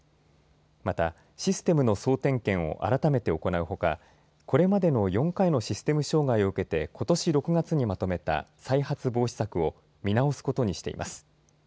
また、システムの総点検を改めて行うほかこれまでの４回のシステム障害を受けてことし６月にまとめた再発防止策を見直すことにしています。